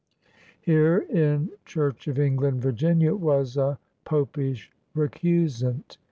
Here in Church of England Virginia was a ''pop ish recusant!'